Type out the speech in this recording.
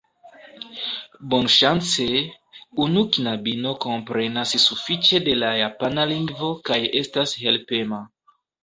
Bonŝance, unu knabino komprenas sufiĉe de la japana lingvo kaj estas helpema.